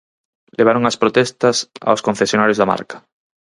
Levaron as protestas aos concesionarios da marca.